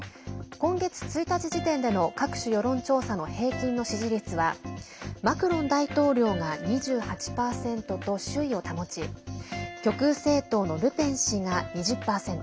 今月１日時点での各種世論調査の平均の支持率はマクロン大統領が２８％と首位を保ち極右政党のルペン氏が２０％。